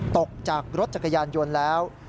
ตกจากรถจักรยานยนต์แล้ว